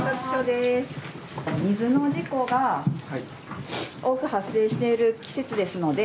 水の事故が多く発生している季節ですので。